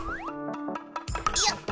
よっ。